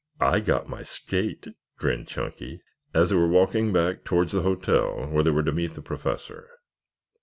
"I got my skate," grinned Chunky as they were walking back towards the hotel where they were to meet the Professor.